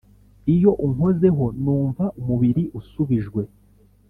iyo unkozeho numva umubiri usubijwe